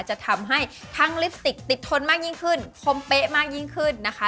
จะทำให้ทั้งลิปสติกติดทนมากยิ่งขึ้นคมเป๊ะมากยิ่งขึ้นนะคะ